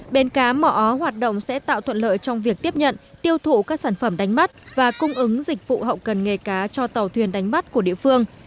bến cá mỏ ó hoạt động sẽ tạo thuận lợi trong việc tiếp nhận tiêu thụ các sản phẩm đánh mắt và cung ứng dịch vụ hậu cần nghề cá cho tàu thuyền đánh bắt của địa phương